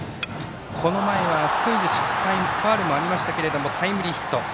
この前はスクイズ失敗もありましたけどタイムリーヒット。